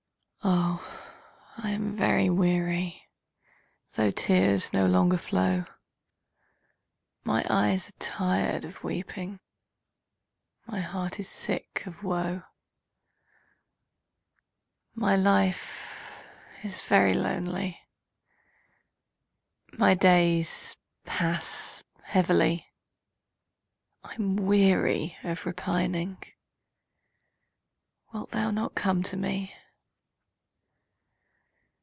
Oh, I am very weary, Though tears no longer flow; My eyes are tired of weeping, My heart is sick of woe; My life is very lonely My days pass heavily, I'm weary of repining; Wilt thou not come to me?